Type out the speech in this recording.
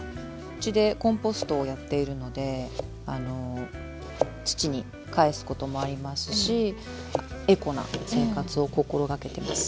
うちでコンポストをやっているので土にかえすこともありますしエコな生活を心がけてます。